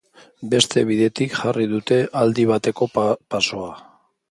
Beste bidetik jarri dute aldi bateko pasoa.